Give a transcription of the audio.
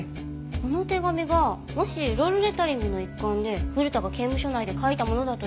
この手紙がもしロールレタリングの一環で古田が刑務所内で書いたものだとしたら。